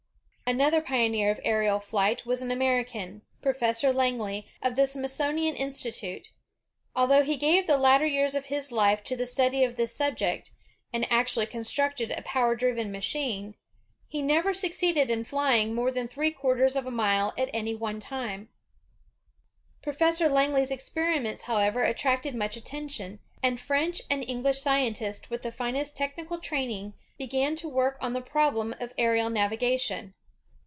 Another pioneer of aerial flight was an American, Pro fessor Langley, of the Smithsonian Institution. Although he gave the latter years of his life to the study of this subject, and actually constructed a power driven machine, ORVLLLE AND WILBUR WRIGHT 255 ^ r ^0 ^Sj 256 OTHER FAMOUS INVENTORS OF TO RAY he never succeeded in flying more than three quarters of a mile at any one time. Professor Langley's e:q)eriments, however, attracted much attention, and French and English scientists with the flnest technical training began to work on the problem of aerial navigation.